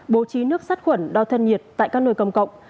bố trí nước sát khuẩn đo thân nhiệt tại các nơi công cộng